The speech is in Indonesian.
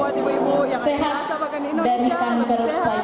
buat ibu ibu yang sehat dari kanker payudara